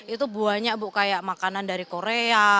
itu banyak bu kayak makanan dari korea